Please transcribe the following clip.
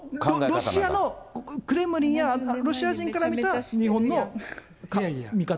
ロシアのクレムリンやロシア人から見た、日本の見方。